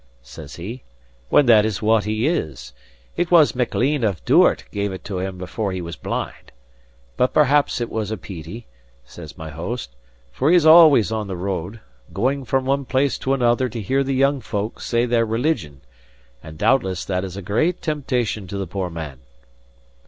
says he, "when that is what he is. It was Maclean of Duart gave it to him because he was blind. But perhaps it was a peety," says my host, "for he is always on the road, going from one place to another to hear the young folk say their religion; and, doubtless, that is a great temptation to the poor man."